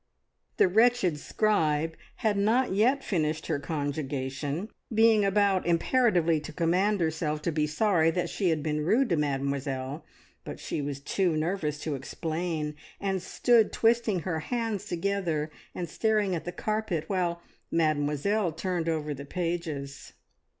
The wretched scribe had not yet finished her conjugation, being about imperatively to command herself to be sorry that she had been rude to Mademoiselle, but she was too nervous to explain, and stood twisting her hands together and staring at the carpet, while Mademoiselle turned over the pages.